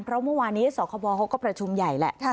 เพราะเมื่อวานนี้สคบเขาก็ประชุมใหญ่แหละ